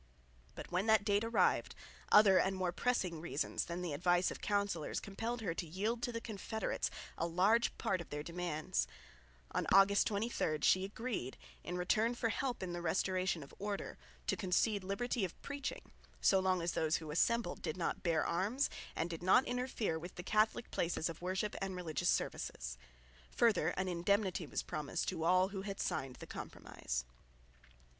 But, when that date arrived, other and more pressing reasons than the advice of counsellors compelled her to yield to the confederates a large part of their demands. On August 23 she agreed, in return for help in the restoration of order, to concede liberty of preaching, so long as those who assembled did not bear arms and did not interfere with the Catholic places of worship and religious services. Further an indemnity was promised to all who had signed the Compromise.